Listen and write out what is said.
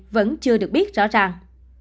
vẫn chưa được biết rõ ràng